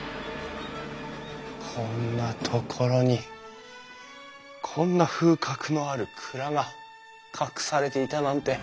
こんなところにこんな風格のある蔵が隠されていたなんて。